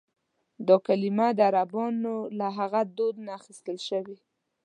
دا کلیمه د عربانو له هغه دود نه اخیستل شوې.